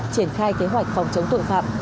triển khai kế hoạch phòng chống tội phạm